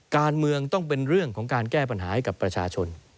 การเมืองต้องเป็นเรื่องของการแก้ปัญหาให้กับประชาชน